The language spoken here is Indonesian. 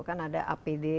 kan ada apd